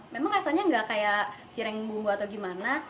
memang rasanya nggak kayak cireng bumbu atau gimana